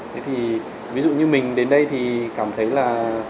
thế thì ví dụ như mình đến đây thì cảm thấy là